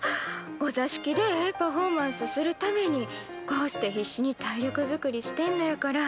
お座敷でええパフォーマンスするためにこうして必死に体力づくりしてんのやから。